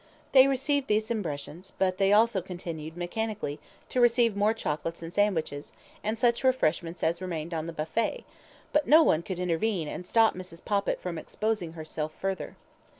They received these impressions, they also continued (mechanically) to receive more chocolates and sandwiches, and such refreshments as remained on the buffet; but no one could intervene and stop Mrs. Poppit from exposing herself further.